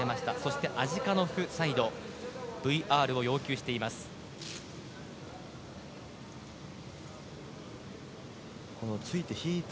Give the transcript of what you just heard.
そしてアジカノフサイドＶＲを要求しています。